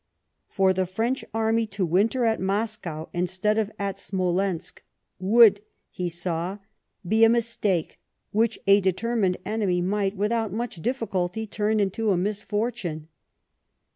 For the French army to winter at Moscow instead of at Smolensk would, he saw, be a THE BETBEAT FBOM MOSCOW. 79 mistake which a determined enemy might, without much difficulty, turn into a misfortune.